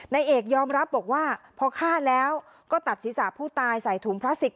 นายเอกยอมรับบอกว่าพอฆ่าแล้วก็ตัดศีรษะผู้ตายใส่ถุงพลาสติก